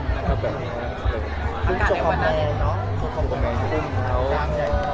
ภารกาลในวันนั้นแห่งเนอะ